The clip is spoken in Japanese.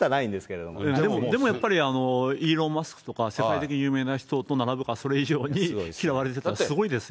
でもやっぱりイーロン・マスクとか、世界的に有名な人と並ぶか、それ以上に嫌われてるというのはすごいですよ。